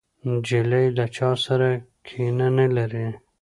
نجلۍ له چا سره کینه نه لري.